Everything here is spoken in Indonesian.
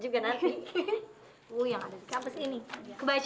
gua kenapa lu yang sirik sih